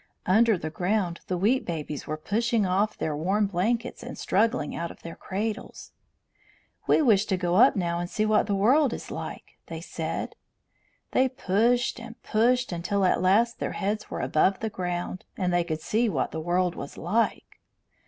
Under the ground the Wheat Babies were pushing off their warm blankets and struggling out of their cradles. "We wish to go up now and see what the world is like," they said. They pushed and pushed until at last their heads were above the ground, and they could see what the world was like.